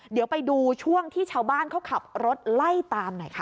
เดี๋ยวไปดูช่วงที่ชาวบ้านเขาขับรถไล่ตามหน่อยค่ะ